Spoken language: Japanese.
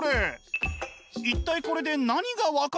一体これで何が分かるの？